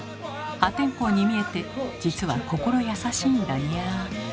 破天荒に見えて実は心優しいんだにゃ。